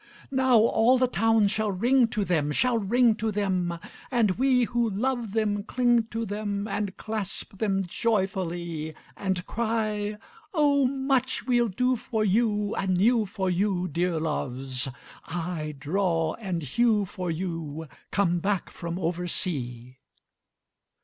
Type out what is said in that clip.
II Now all the town shall ring to them, Shall ring to them, And we who love them cling to them And clasp them joyfully; And cry, "O much we'll do for you Anew for you, Dear Loves!—aye, draw and hew for you, Come back from oversea."